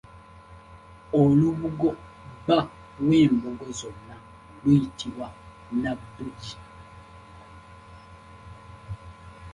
Olubugo bba w’embugo zonna lwe luyitibwa Nabugi.